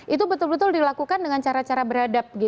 itu betul betul dilakukan dengan cara cara beradab